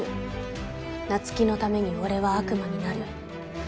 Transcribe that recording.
菜月のために、俺は悪魔になる」。